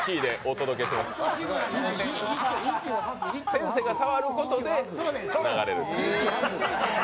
先生が触ることで流れると。